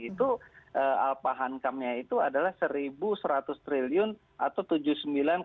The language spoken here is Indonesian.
itu alpahankamnya itu adalah rp satu seratus triliun atau rp tujuh puluh sembilan triliun